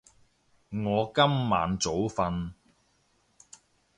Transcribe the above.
我今晚早瞓